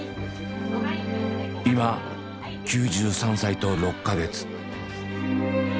今９３歳と６か月。